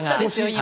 今。